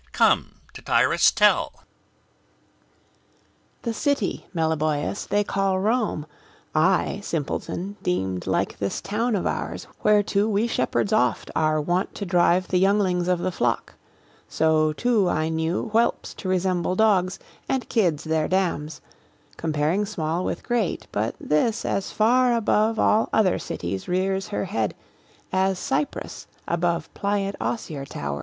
Come, Tityrus, tell. TITYRUS The city, Meliboeus, they call Rome, I, simpleton, deemed like this town of ours, Whereto we shepherds oft are wont to drive The younglings of the flock: so too I knew Whelps to resemble dogs, and kids their dams, Comparing small with great; but this as far Above all other cities rears her head As cypress above pliant osier towers.